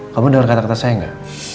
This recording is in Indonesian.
kamu denger kata kata saya gak